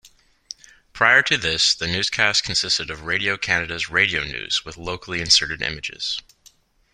Prior to this the newscast consisted of Radio-Canada's radio news with locally inserted images.